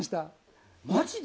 マジで？